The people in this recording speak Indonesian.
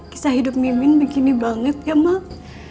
kisah hidup mimin begini banget ya mak